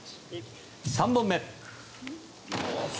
３本目。